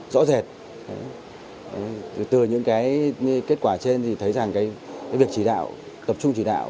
rõ rệt từ những cái kết quả trên thì thấy rằng cái việc chỉ đạo tập trung chỉ đạo